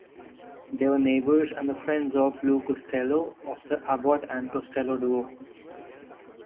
They were neighbors and friends of Lou Costello, of the Abbott and Costello duo.